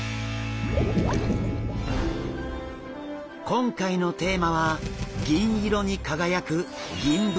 今回のテーマは銀色に輝く「ギンブナ」。